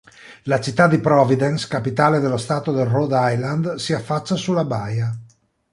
La città di Providence, capitale dello stato del Rhode Island, si affaccia sulla baia.